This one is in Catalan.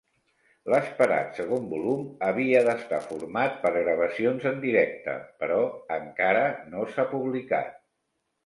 L'esperat segon volum havia d'estar format per gravacions en directe, però encara no s'ha publicat.